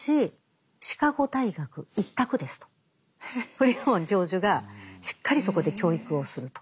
フリードマン教授がしっかりそこで教育をすると。